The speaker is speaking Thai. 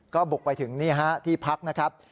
ก็บุกไปถึงที่พักนะครับ